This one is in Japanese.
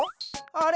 あれ？